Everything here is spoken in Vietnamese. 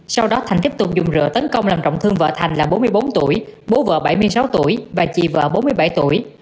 sau đó thành tiếp tục dùng rượu tấn công làm trọng thương vợ thành là bốn mươi bốn tuổi bố vợ bảy mươi sáu tuổi và chị vợ bốn mươi bảy tuổi